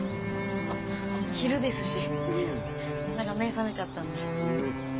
昼ですし何か目覚めちゃったんで。